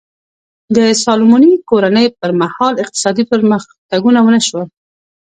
د سالومونیک کورنۍ پر مهال اقتصادي پرمختګونه ونه شول.